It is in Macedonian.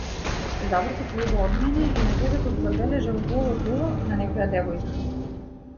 Се завртев лево од мене и на креветот забележав голо тело на некоја девојка.